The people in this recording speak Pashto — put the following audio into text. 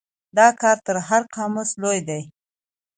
دا کار تر هر قاموس لوی دی.